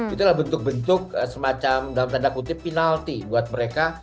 itulah bentuk bentuk semacam dalam tanda kutip penalti buat mereka